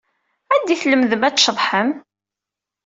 Anda ay tlemdem ad tceḍḥem?